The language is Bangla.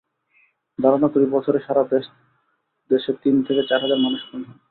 ধারণা করি, বছরে সারা দেশে তিন থেকে চার হাজার মানুষ খুন হয়।